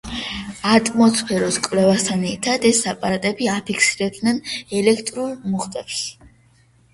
ატმოსფეროს კვლევასთან ერთად ეს აპარატები აფიქსირებდნენ ელექტრულ მუხტებს.